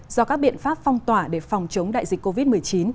do các biện pháp phong tỏa để phòng chống đại dịch covid một mươi chín